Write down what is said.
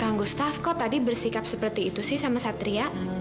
mengganggu staff kok tadi bersikap seperti itu sih sama satria